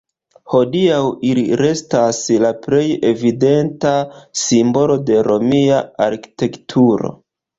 Hodiaŭ ili restas "la plej evidenta simbolo de romia arkitekturo".